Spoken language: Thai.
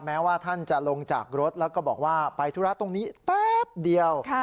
แม้ว่าท่านจะลงจากรถแล้วก็บอกว่าไปธุระตรงนี้แป๊บเดียว